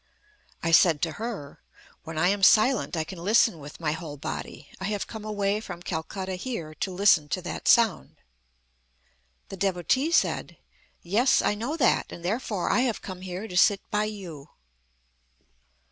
I said to her: "When I am silent I can listen with my whole body. I have come away from Calcutta here to listen to that sound." The Devotee said: "Yes, I know that, and therefore I have come here to sit by you."